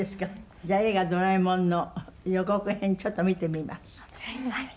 じゃあ『映画ドラえもん』の予告編ちょっと見てみます。